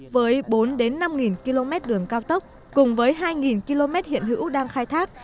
với bốn năm km đường cao tốc cùng với hai km hiện hữu đang khai thác